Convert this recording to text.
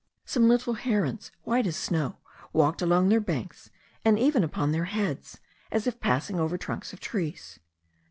Some little herons,* white as snow, walked along their backs, and even upon their heads, as if passing over trunks of trees.